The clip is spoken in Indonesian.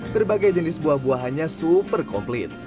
berbagai jenis buah buahannya super komplit